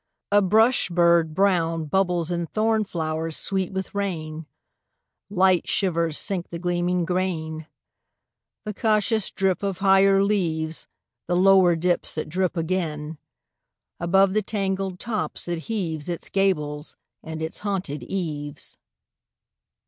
A brush bird brown Bubbles in thorn flowers sweet with rain; Light shivers sink the gleaming grain; The cautious drip of higher leaves The lower dips that drip again. Above the tangled tops it heaves Its gables and its haunted eaves.